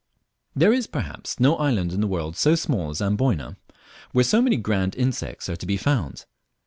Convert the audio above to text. There is, perhaps, no island in the world so small as Amboyna where so many grand insects are to be found.